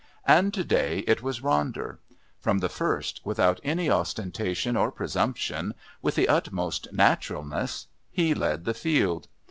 And to day it was Ronder; from the first, without any ostentation or presumption, with the utmost naturalness, he led the field.